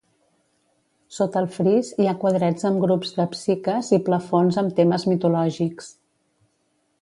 Sota el fris hi ha quadrets amb grups de Psiques i plafons amb temes mitològics.